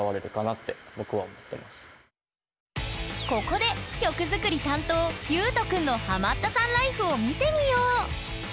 ここで曲作り担当ユウト君のハマったさんライフを見てみよう！